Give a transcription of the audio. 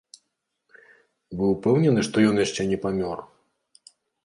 Вы ўпэўнены, што ён яшчэ не памёр?